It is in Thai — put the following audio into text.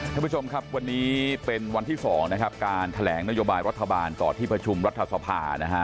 ท่านผู้ชมครับวันนี้เป็นวันที่๒นะครับการแถลงนโยบายรัฐบาลต่อที่ประชุมรัฐสภานะฮะ